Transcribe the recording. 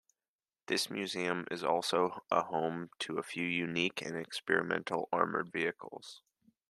This museum is also a home to a few unique and experimental armoured vehicles.